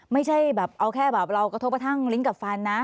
ไม่ใช่แบบเอาแค่แบบเรากระทบกระทั่งลิ้นกับฟันนะ